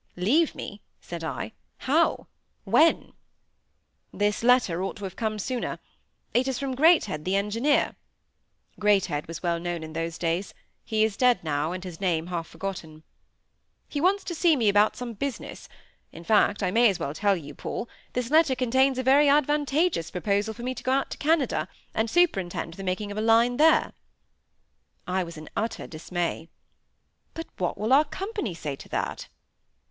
"Leave me!" said I. "How? When?" "This letter ought to have come to hand sooner. It is from Greathed the engineer" (Greathed was well known in those days; he is dead now, and his name half forgotten); "he wants to see me about some business; in fact, I may as well tell you, Paul, this letter contains a very advantageous proposal for me to go out to Canada, and superintend the making of a line there." I was in utter dismay. "But what will our company say to that?"